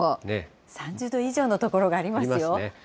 ３０度以上の所がありますよ。ありますね。